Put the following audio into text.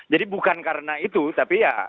jadi bukan karena itu tapi ya